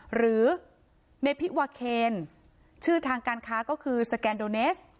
หรือเมพิวาเคนชื่อทางการค้าก็คือสแกนโดเนส